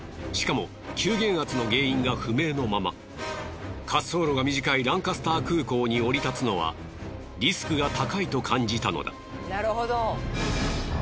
しかも急減圧の原因が不明のまま滑走路が短いランカスター空港に降り立つのはリスクが高いと感じたのだ。